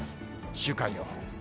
週間予報。